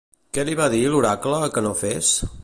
Què li va dir l'oracle que no fes?